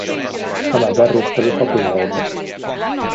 Tämä järjestely sopi heille.